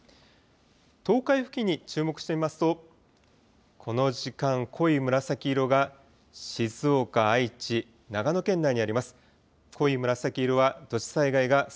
東海付近に注目してみますとこの時間、濃い紫色が静岡、愛知、長野県内にあります。